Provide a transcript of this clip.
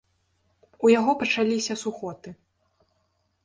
У яго пачаліся сухоты.